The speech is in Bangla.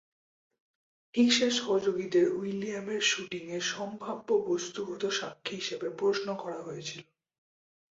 হিকসের সহযোগীদের উইলিয়ামের শুটিংয়ের সম্ভাব্য বস্তুগত সাক্ষী হিসাবে প্রশ্ন করা হয়েছিল।